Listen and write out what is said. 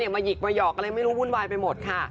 มาหยิกมาหยอกอะไรไม่รู้วุ่นวายไปหมดค่ะ